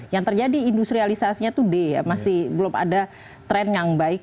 yang terjadi industrialisasinya itu d masih belum ada tren yang baik